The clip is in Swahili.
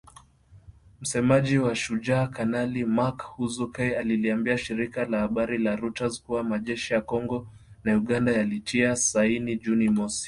Msemaji wa Shujaa, Kanali Mak Hazukay aliliambia shirika la habari la reuters kuwa majeshi ya Kongo na Uganda yalitia saini Juni mosi.